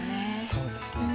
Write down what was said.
そうですね。